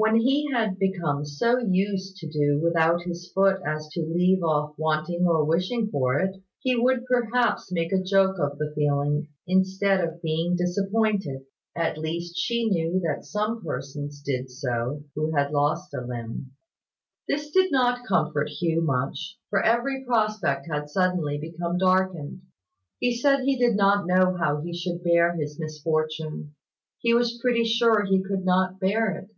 When he had become so used to do without his foot as to leave off wanting or wishing for it, he would perhaps make a joke of the feeling, instead of being disappointed. At least she knew that some persons did so who had lost a limb. This did not comfort Hugh much, for every prospect had suddenly become darkened. He said he did not know how he should bear his misfortune; he was pretty sure he could not bear it.